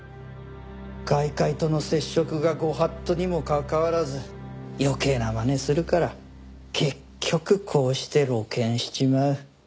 外界との接触が御法度にもかかわらず余計なまねするから結局こうして露見しちまう。